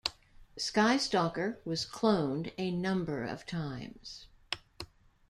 Skystalker was cloned a number of times.